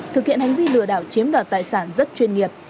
thực hiện hành vi lừa đảo chiếm đoạt tài sản rất chuyên nghiệp